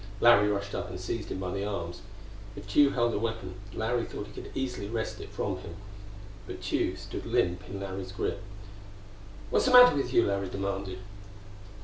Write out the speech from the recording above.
Larry rushed up and seized him by the arms. If Tugh held a weapon Larry thought he could easily wrest it from him. But Tugh stood limp in Larry's grip. "What's the matter with you?" Larry demanded.